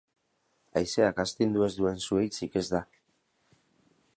Haizeak astindu ez duen zuhaitzik ez da